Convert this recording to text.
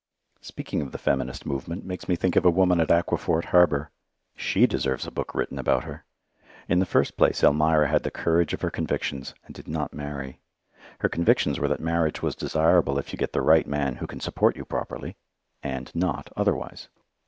Speaking of the feminist movement makes me think of a woman at Aquaforte Harbour. She deserves a book written about her. In the first place, Elmira had the courage of her convictions, and did not marry. Her convictions were that marriage was desirable if you get the right man who can support you properly, and not otherwise.